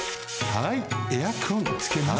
はいエアコンつけます。